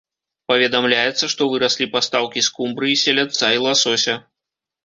Паведамляецца, што выраслі пастаўкі скумбрыі, селядца і ласося.